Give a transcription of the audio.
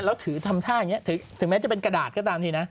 แล้วถือทำท่าอย่างนี้ถึงแม้จะเป็นกระดาษก็ตามทีนะ